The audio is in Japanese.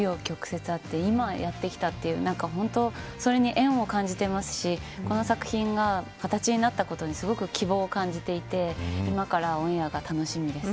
いろいろ紆余曲折あって今やってきたというそれに縁を感じていますしこの作品が形になったことにすごく希望を感じていて今からオンエアが楽しみです。